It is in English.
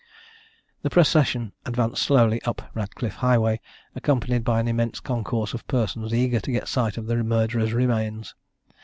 The procession advanced slowly up Ratcliffe Highway, accompanied by an immense concourse of persons, eager to get a sight of the murderer's remains.